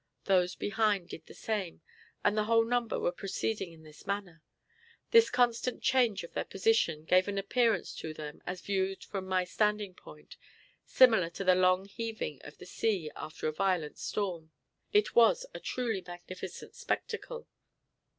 Those behind did the same, and the whole number were proceeding in this manner. This constant change of their position gave an appearance to them, as viewed from my standing point, similar to the long heaving of the sea after a violent storm. It was truly a magnificent spectacle.